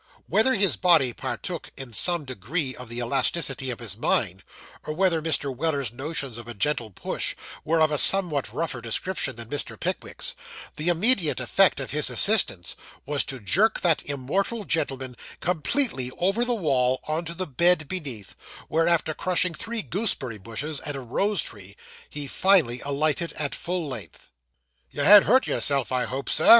Whether his body partook in some degree of the elasticity of his mind, or whether Mr. Weller's notions of a gentle push were of a somewhat rougher description than Mr. Pickwick's, the immediate effect of his assistance was to jerk that immortal gentleman completely over the wall on to the bed beneath, where, after crushing three gooseberry bushes and a rose tree, he finally alighted at full length. 'You ha'n't hurt yourself, I hope, Sir?